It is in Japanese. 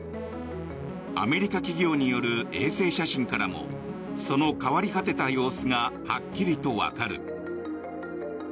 アメリカ企業による衛星写真からもその変わり果てた様子がはっきりとわかる。